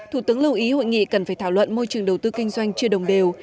thủ tướng lưu ý hội nghị cần phải thảo luận môi trường đầu tư kinh doanh chưa đồng đều